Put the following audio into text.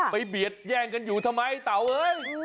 เบียดแย่งกันอยู่ทำไมเต่าเอ้ย